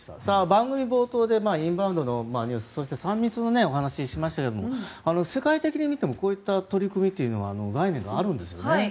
番組冒頭でインバウンドのニュースとそして３密のお話をしましたけども世界的に見てもこういった取り組みというのは概念があるんですってね。